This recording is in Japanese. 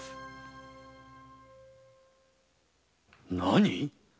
何？